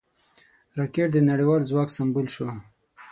راکټ د نړیوال ځواک سمبول شو